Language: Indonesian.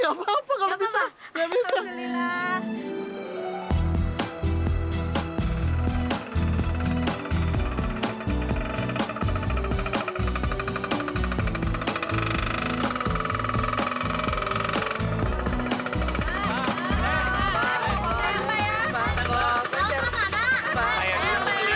ya udah gapapa kalau bisa